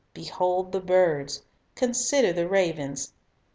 "Behold the birds." "Consider the ravens."